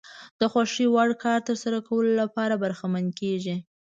د خوښې وړ کار ترسره کولو لپاره برخمن کېږي.